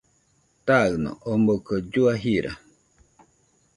Taɨno omoɨko llua jira.